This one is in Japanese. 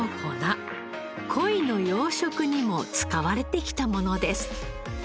コイの養殖にも使われてきたものです。